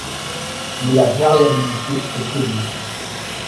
Mais la variabilité est élevée.